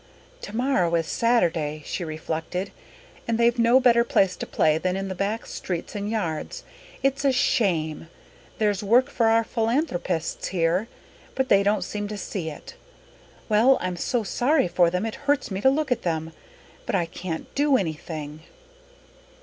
"Tomorrow is Saturday," she reflected, "and they've no better place to play in than the back streets and yards. It's a shame. There's work for our philanthropists here, but they don't seem to see it. Well, I'm so sorry for them it hurts me to look at them, but I can't do anything."